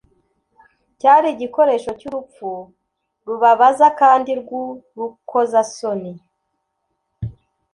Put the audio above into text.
cyari igikoresho cy'urupfu rubabaza kandi rw'urukoza soni,